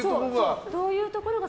どういうところが。